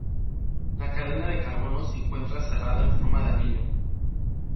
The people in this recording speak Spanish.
La cadena de carbonos se encuentra cerrada en forma de anillo.